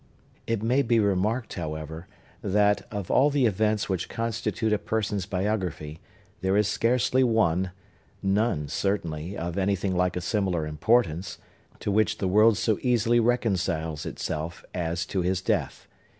It may be remarked, however, that, of all the events which constitute a person's biography, there is scarcely one—none, certainly, of anything like a similar importance—to which the world so easily reconciles itself as to his death.